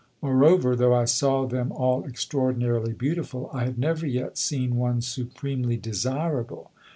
Moreover, though I saw them all extraordinarily beautiful, I had never yet seen one supremely desirable.